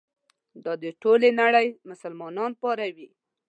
دا د ټولې نړۍ مسلمانان پاروي.